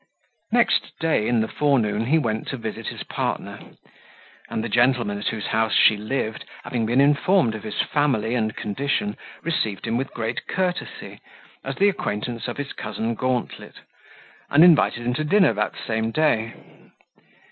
Next day in the forenoon he went to visit his partner; and the gentleman, at whose house she lived, having been informed of his family and condition, received him with great courtesy, as the acquaintance of his cousin Gauntlet, and invited him to dinner that same day.